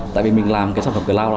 tại vì mình làm cái sản phẩm zalo